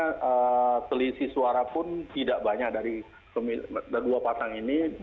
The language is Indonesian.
sebenarnya selisih suara pun tidak banyak dari kedua patang ini